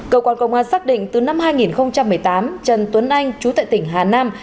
cơ quan công an xác định từ năm hai nghìn một mươi tám trần tuấn anh chú tại tỉnh hà nam